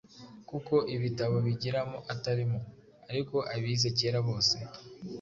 kuko ibitabo bigiramo atarimo, ariko abize kera bose,